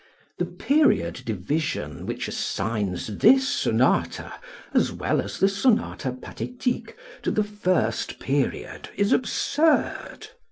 The period division which assigns this sonata as well as the "Sonata Pathétique" to the first period is absurd.